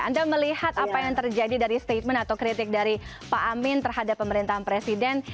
anda melihat apa yang terjadi dari statement atau kritik dari pak amin terhadap pemerintahan presiden